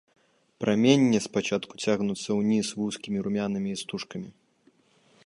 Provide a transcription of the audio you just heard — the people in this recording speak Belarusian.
Праменні спачатку цягнуцца ўніз вузкімі румянымі істужкамі.